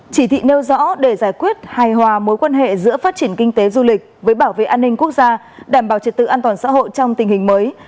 chỉ thị nêu rõ để giải quyết hài hòa mối quan hệ giữa phát triển kinh tế du lịch với bảo vệ an ninh quốc gia đảm bảo trật tự an toàn xã hội trong tình hình mới